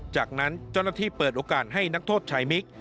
จากนั้นเจ้าหน้าที่เปิดโอกาสให้นักโทษชายมิก